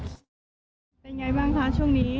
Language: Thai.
เป็นไงบ้างคะช่วงนี้